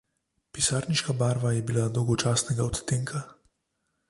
Pisarniška barva je bila dolgočasnega odtenka.